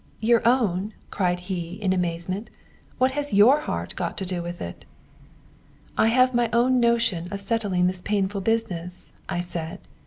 "'Your own?' cried he, in amazement. 'What has your heart got to do with it?' "'I have my own notion of settling this painful business,' I said.